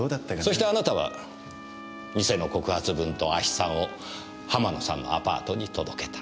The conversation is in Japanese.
そしてあなたは偽の告発文と亜ヒ酸を浜野さんのアパートに届けた。